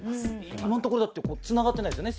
今のところつながってないですよね